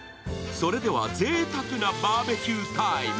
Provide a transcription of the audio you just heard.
それではぜいたくなバーベキュータイム。